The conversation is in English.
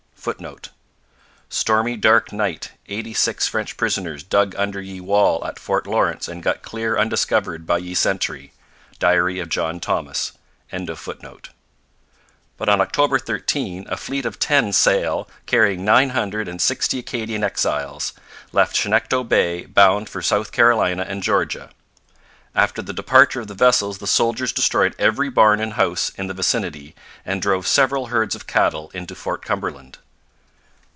[Footnote: 'Stormy Dark Night Eighty Six French Prisoners Dugg under ye Wall att Foart Lawrance and got Clear undiscovered by ye Centry.' Diary of John Thomas.] But on October 13 a fleet of ten sail, carrying nine hundred and sixty Acadian exiles, left Chignecto Bay bound for South Carolina and Georgia. After the departure of the vessels the soldiers destroyed every barn and house in the vicinity and drove several herds of cattle into Fort Cumberland.